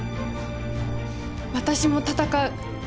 私も闘う！